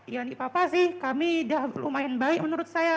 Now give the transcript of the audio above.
ya ini papa sih kami udah lumayan baik menurut saya